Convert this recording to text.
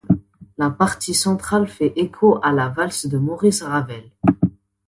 La partie centrale fait écho à la Valse de Maurice Ravel.